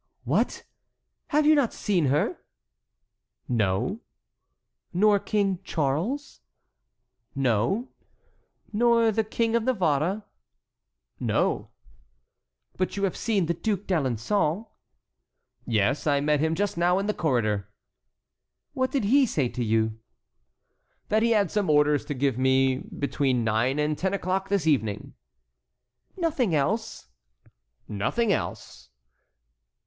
"What! Have you not seen her?" "No." "Nor King Charles?" "No." "Nor the King of Navarre?" "No." "But you have seen the Duc d'Alençon?" "Yes, I met him just now in the corridor." "What did he say to you?" "That he had some orders to give me between nine and ten o'clock this evening." "Nothing else?" "Nothing else."